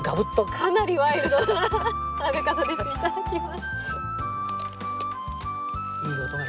かなりワイルドな食べ方ですけどいただきます。